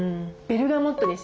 ベルガモットで。